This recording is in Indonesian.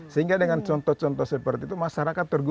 sehingga dengan contoh contoh seperti itu masyarakat terguga